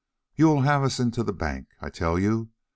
"You will have us into the bank, I tell you.